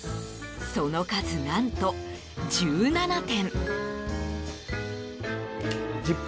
その数、何と１７点。